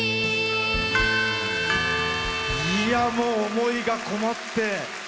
思いが籠もって。